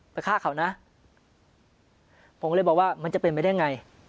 ไปฆ่าเขานะผมเลยบอกว่ามันจะเป็นไปได้ไง